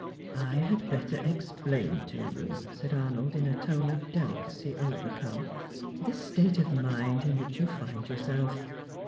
"I had better explain to you," said Arnold, in a tone of delicacy overcome, "this state of mind in which you find yourself.